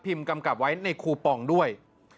กำกับไว้ในคูปองด้วย